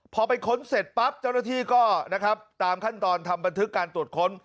พอไปค้นเสร็จปั๊บเจ้าหน้าที่ก็นะครับตามขั้นตอนทำบันทึกการตรวจค้น